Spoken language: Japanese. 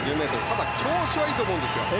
ただ、調子はいいと思うんですよ。